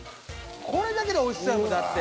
これだけでおいしそうやもんだって。